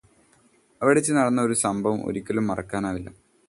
അവിടെവച്ച് നടന്ന ഒരു സംഭവം ഒരിക്കലും മറക്കാനാവില്ല.